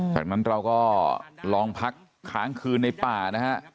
จากนั้นเราก็ลองพักค้างคืนในป่านะฮะ